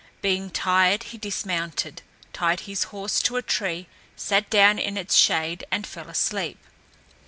Being tired, he dismounted, tied his horse to a tree, sat down in its shade and fell asleep.